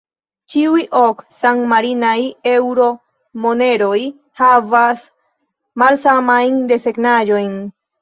Ĉiuj ok san-marinaj eŭro-moneroj havas malsamajn desegnaĵojn.